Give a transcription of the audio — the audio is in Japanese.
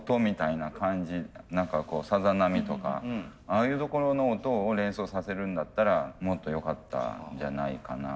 何かさざ波とかああいうところの音を連想させるんだったらもっとよかったんじゃないかな。